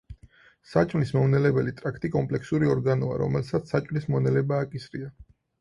საჭმლის მომნელებელი ტრაქტი კომპლექსური ორგანოა, რომელსაც საჭმლის მონელება აკისრია.